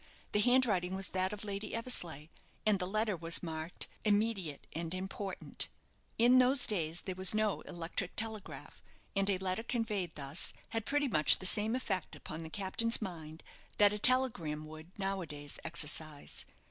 The handwriting was that of Lady Eversleigh, and the letter was marked Immediate and important. In those days there was no electric telegraph; and a letter conveyed thus had pretty much the same effect upon the captain's mind that a telegram would now a days exercise.